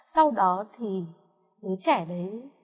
sau đó thì đứa trẻ đấy